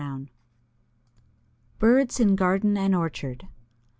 ] BIRDS IN GARDEN AND ORCHARD.